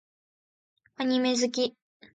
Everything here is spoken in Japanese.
アニメ好き